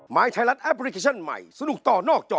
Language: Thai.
สามารถรับชมได้ทุกวัย